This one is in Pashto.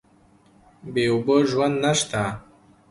بې اوبو ژوند نشته.